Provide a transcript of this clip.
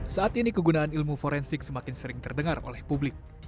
saat ini kegunaan ilmu forensik semakin sering terdengar oleh publik